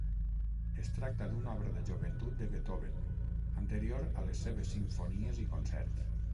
Es tracta d'una obra de joventut de Beethoven, anterior a les seves simfonies i concerts.